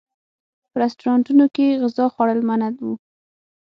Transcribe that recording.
په رسټورانټونو کې غذا خوړل منع و.